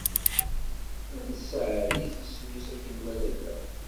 Ad nessaɛlit isem-is akken ma nella.